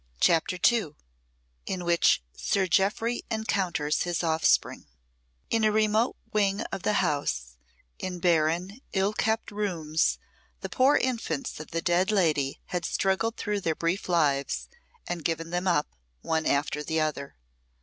CHAPTER II In which Sir Jeoffry encounters his offspring In a remote wing of the house, in barren, ill kept rooms, the poor infants of the dead lady had struggled through their brief lives, and given them up, one after the other.